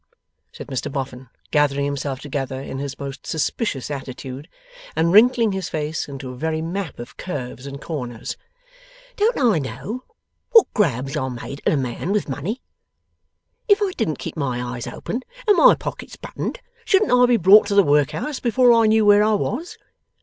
said Mr Boffin, gathering himself together in his most suspicious attitude, and wrinkling his face into a very map of curves and corners. 'Don't I know what grabs are made at a man with money? If I didn't keep my eyes open, and my pockets buttoned, shouldn't I be brought to the workhouse before I knew where I was?